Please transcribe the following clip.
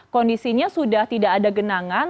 kondisinya sudah tidak ada genangan